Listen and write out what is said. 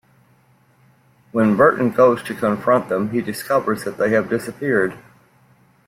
When Burton goes to confront them he discovers that they have disappeared.